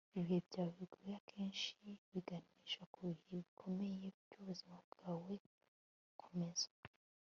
ibihe byawe bigoye akenshi biganisha ku bihe bikomeye byubuzima bwawe. komeza